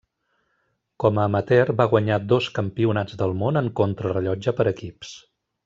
Com a amateur va guanyar dos Campionats del Món en contrarellotge per equips.